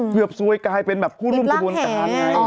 เกือบซวยกลายเป็นแบบผู้ร่วมข้อดูแลร์การไง